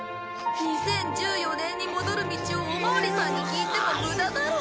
２０１４年に戻る道をおまわりさんに聞いても無駄だろうね。